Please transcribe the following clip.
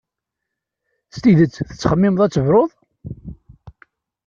S tidet tettxemmimeḍ ad tebrud?